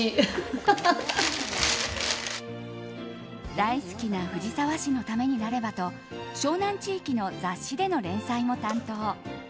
大好きな藤沢市のためになればと湘南地域の雑誌での連載も担当。